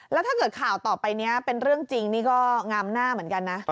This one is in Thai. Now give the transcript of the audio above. แล้วถ้าเกิดข่าวต่อไปนี้เป็นเรื่องจริงนี่ก็งามหน้าเหมือนกันนะ